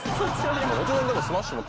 もちろんでも。